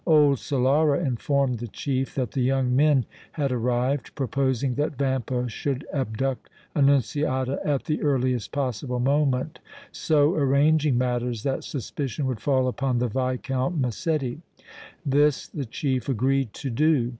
Old Solara informed the chief that the young men had arrived, proposing that Vampa should abduct Annunziata at the earliest possible moment, so arranging matters that suspicion would fall upon the Viscount Massetti. This the chief agreed to do.